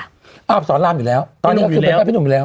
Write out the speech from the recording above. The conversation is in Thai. อาบสอนรามอยู่แล้วตอนนี้ก็คือเป็นบ้านพี่หนุ่มอยู่แล้ว